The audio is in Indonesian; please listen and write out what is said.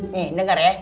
nih denger ya